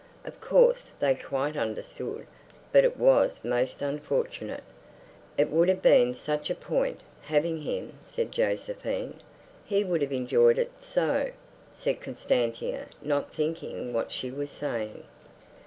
Of course they quite understood; but it was most unfortunate. "It would have been such a point, having him," said Josephine. "And he would have enjoyed it so," said Constantia, not thinking what she was saying.